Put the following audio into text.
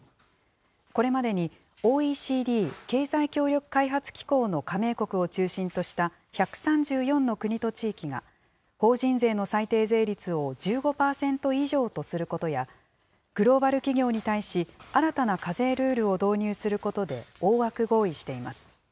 これまでにＯＥＣＤ・経済協力開発機構の加盟国を中心とした１３４の国と地域が、法人税の最低税率を１５％以上とすることや、グローバル企業に対し、新たな課税ルールを導入することで大枠合意しています。